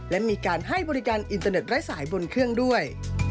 และมีการให้บริการอินเตอร์เน็ตไร้สายบนเครื่องด้วย